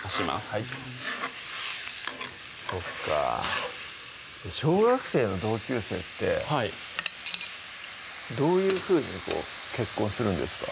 はいそっか小学生の同級生ってはいどういうふうに結婚するんですか？